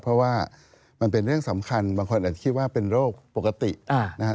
เพราะว่ามันเป็นเรื่องสำคัญบางคนอาจจะคิดว่าเป็นโรคปกตินะครับ